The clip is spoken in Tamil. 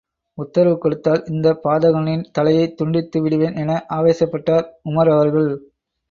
உத்தரவு கொடுத்தால், இந்தப் பாதகனின் தலையைத் துண்டித்து விடுவேன் என ஆவேசப்பட்டார் உமர் அவர்கள்.